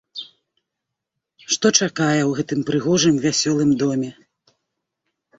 Што чакае ў гэтым прыгожым вясёлым доме?